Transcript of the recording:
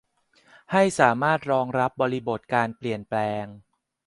ให้สามารถรองรับบริบทการเปลี่ยนแปลง